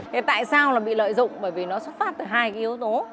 thế tại sao là bị lợi dụng bởi vì nó xuất phát từ hai cái yếu tố